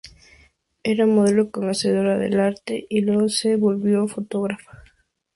Era modelo, conocedora del arte y luego se volvió fotógrafa.